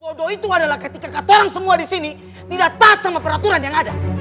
bodo itu adalah ketika kata orang semua disini tidak taat sama peraturan yang ada